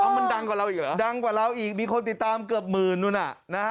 มันดังกว่าเราอีกเหรอดังกว่าเราอีกมีคนติดตามเกือบหมื่นนู่นน่ะนะฮะ